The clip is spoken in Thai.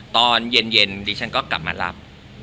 ตอนเย็นดิฉันก็กลับมารับ